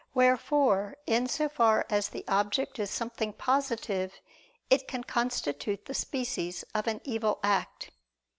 Wherefore in so far as the object is something positive, it can constitute the species of an evil act.